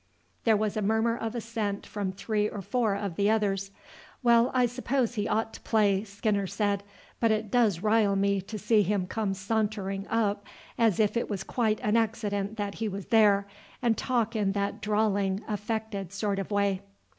There was a murmur of assent from three or four of the others. "Well, I suppose he ought to play," Skinner said; "but it does rile me to see him come sauntering up as if it was quite an accident that he was there, and talk in that drawling, affected sort of way."